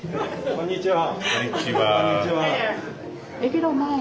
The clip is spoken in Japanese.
こんにちは。